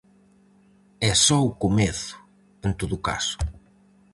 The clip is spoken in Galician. É só o comezo, en todo caso.